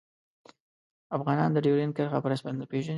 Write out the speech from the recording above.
افغانان د ډیورنډ کرښه په رسمیت نه پيژني